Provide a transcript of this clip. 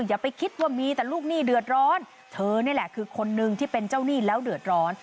อย่าไปคิดว่ามีแต่ลูกหนี้เดือดร้อนเธอนี่แหละคือคนนึงที่เป็นเจ้าหนี้แล้วเดือดร้อน